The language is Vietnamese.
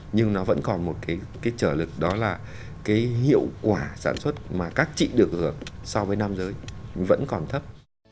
nhưng nó vẫn còn một cái trở lực đó là cái hiệu quả sản xuất mà các chị được hưởng so với nam giới vẫn còn thấp